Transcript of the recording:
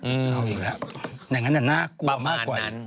อื้ออยู่แล้วอย่างงั้นอะน่ากลัวมากกว่าย